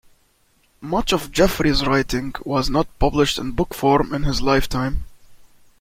Much of Jefferies's writing was not published in book form in his lifetime.